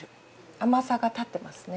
甘さが立ってますね。